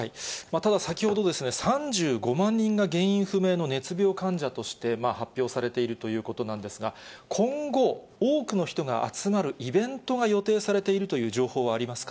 ただ、先ほどですね、３５万人が原因不明の熱病患者として発表されているということなんですが、今後、多くの人が集まるイベントが予定されているという情報はあります